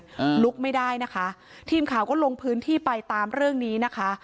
ลุกไม่ได้นะคะทีมข่าวก็ลงพื้นที่ไปตามเรื่องนี้นะคะ